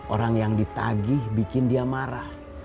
orang yang ditagih bikin dia marah